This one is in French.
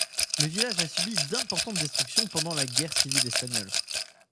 Le village a subi d'importantes destructions pendant la Guerre civile espagnole.